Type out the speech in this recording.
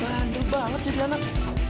bandel banget jadi anak